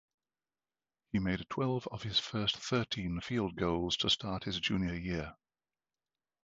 He made twelve of his first thirteen field goals to start his junior year.